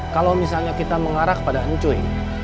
kalau misalnya kita mengarah kepada hencuy